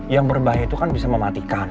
yang berbahaya itu kan bisa mematikan